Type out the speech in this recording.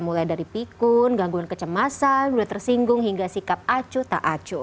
mulai dari pikun gangguan kecemasan mulai tersinggung hingga sikap acu tak acu